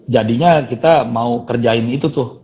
jadinya kita mau kerjain itu tuh